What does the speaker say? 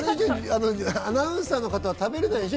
アナウンサーの方は食べられないでしょ？